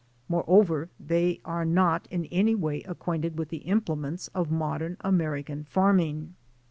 Moreover, they are not in any way ac quainted with the implements of modern American farming.